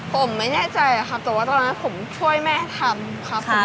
ผมไม่แน่ใจครับแต่ว่าตอนนั้นผมช่วยแม่ทำครับผม